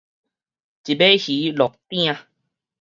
一尾魚落鼎